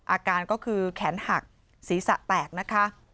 อาการก็คือแขนหักศรีสะแตก